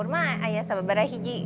saya sudah lima tahun